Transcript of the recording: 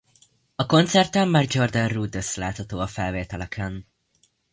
A koncerten már Jordan Rudess látható a felvételeken.